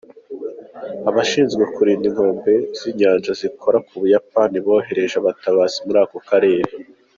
Abashinzwe kurinda inkombe z'inyanja zikora ku Buyapani bohereje abatabazi muri ako karere.